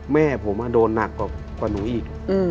แม่ผมโดนหนักกว่าหนูอีก